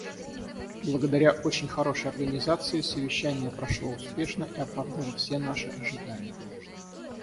Благодаря очень хорошей организации совещание прошло успешно и оправдало все наши ожидания.